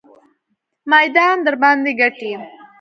میدان درباندې ګټي.